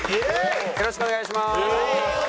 よろしくお願いします。